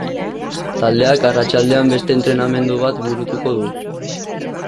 Taldeak arratsaldean beste entrenamendu bat burutuko du.